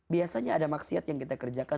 biasanya ada maksiat yang kita kerjakan